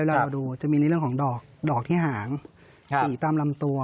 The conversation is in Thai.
เรามาดูจะมีในเรื่องของดอกดอกที่หางสีตามลำตัว